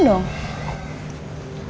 aku taruhnya sebentar